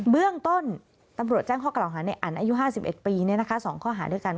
เบื้องต้นตำรวจแจ้งข้อกล่าวหาในอันอายุ๕๑ปี๒ข้อหาด้วยกัน